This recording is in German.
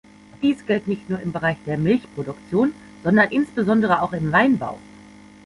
Dies gilt nicht nur im Bereich der Milchproduktion, sondern insbesondere auch im Weinbau.